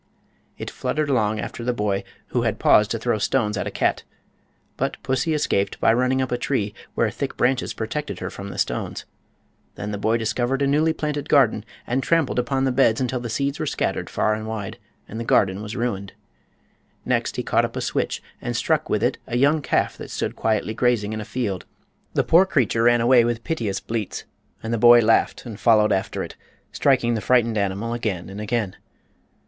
It fluttered along after the boy, who had paused to throw stones at a cat. But pussy escaped by running up a tree, where thick branches protected her from the stones. Then the boy discovered a newly planted garden, and trampled upon the beds until the seeds were scattered far and wide, and the garden was ruined. Next he caught up a switch and struck with it a young calf that stood quietly grazing in a field. The poor creature ran away with piteous bleats, and the boy laughed and followed after it, striking the frightened animal again and again.